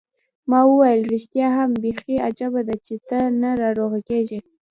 ما وویل: ریښتیا هم، بیخي عجبه ده، چي ته نه ناروغه کېږې.